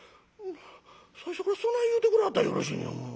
「最初からそない言うてくれはったらよろしいのやもう。